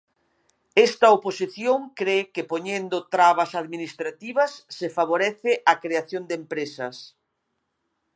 Esta oposición cre que poñendo trabas administrativas se favorece a creación de empresas.